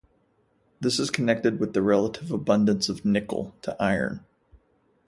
This is connected with the relative abundance of nickel to iron.